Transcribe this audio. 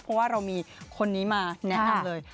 เพราะว่าเรามีคนนี้มาแนะนำเลย